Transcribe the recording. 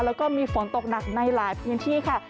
แล้วก็มีฝนตกหนักในหลายพื้นที่ค่ะ